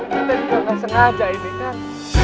kita juga nggak sengaja ini kan